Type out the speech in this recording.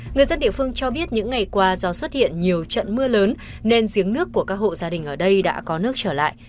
người dân địa phương cho biết những ngày qua do xuất hiện nhiều trận mưa lớn nên giếng nước của các hộ gia đình ở đây đã có nước trở lại